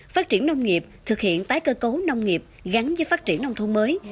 phát triển nông nghiệp thực hiện tái cơ cấu nông nghiệp gắn với phát triển nông thôn mới